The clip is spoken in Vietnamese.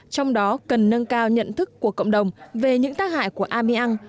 trong đó cần nâng cao nhận thức của cộng đồng về những tác hại của amir